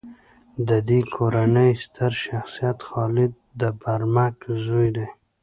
د دې کورنۍ ستر شخصیت خالد د برمک زوی دی.